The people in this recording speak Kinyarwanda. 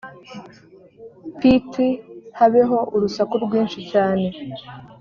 pt habeho urusaku rwinshi cyane